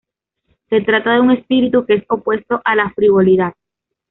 Se trata de un espíritu que es opuesto a la frivolidad.